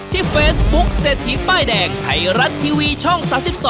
เฟซบุ๊คเศรษฐีป้ายแดงไทยรัฐทีวีช่อง๓๒